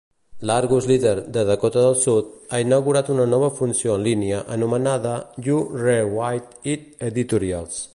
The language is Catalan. L'Argus Leader, de Dakota del Sud, ha inaugurat una nova funció en línia anomenada "You Re-Write-It Editorials".